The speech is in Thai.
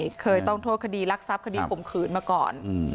เคยต้องโทษคดีรักทรัพย์คดีข่มขืนมาก่อน